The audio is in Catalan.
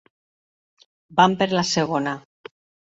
Van per la segona.